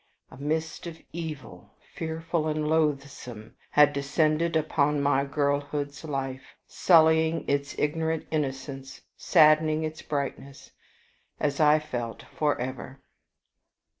A mist of evil, fearful and loathsome, had descended upon my girlhood's life, sullying its ignorant innocence, saddening its brightness, as I felt, for ever.